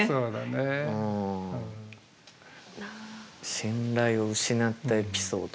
信頼を失ったエピソード。